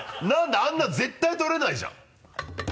あんなん絶対取れないじゃん。